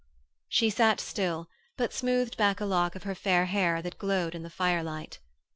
She sat still, but smoothed back a lock of her fair hair that glowed in the firelight.